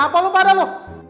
kenapa lu pada lu